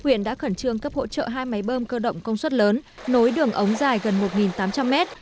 huyện đã khẩn trương cấp hỗ trợ hai máy bơm cơ động công suất lớn nối đường ống dài gần một tám trăm linh mét